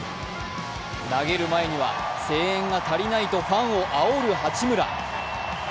投げる前には、声援が足りないとファンをあおる八村。